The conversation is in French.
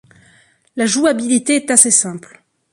La jouabilité est assez simple.